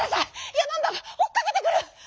やまんばがおっかけてくる！」。